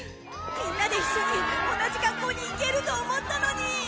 みんなで一緒に同じ学校に行けると思ったのに！